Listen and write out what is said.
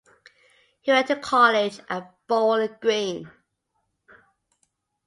He went to college at Bowling Green.